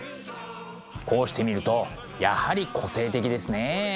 こうして見るとやはり個性的ですね。